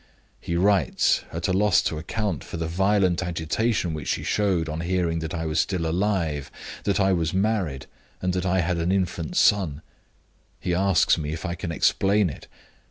He writes, at a loss to account for the violent agitation which she showed on hearing that I was still alive, that I was married, and that I had an infant son. He asks me if I can explain it.